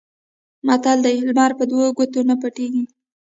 متل دی: لمر په دوو ګوتو نه پټېږي.